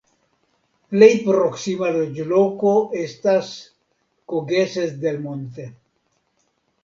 Plej proksima loĝloko estas Cogeces del Monte.